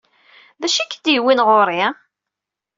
D acu ay k-id-yewwin ɣer-i?